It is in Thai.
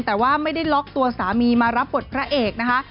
แต่ว่าไม่ได้ล็อกตัวสามีมารับบทพระเอกนะคะ